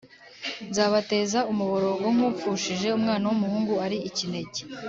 nzabateza umuborogo nk’upfushije umwana w’umuhungu ari ikinege